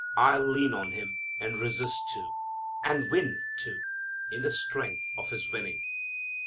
I'll lean on Him and resist too, and win too in the strength of His winning."